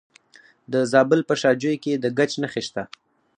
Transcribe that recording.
د زابل په شاجوی کې د ګچ نښې شته.